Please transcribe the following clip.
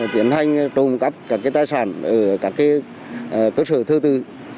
tiến hành trộm cắp các tài sản ở các cơ sở thờ tự